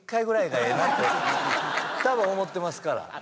たぶん思ってますから。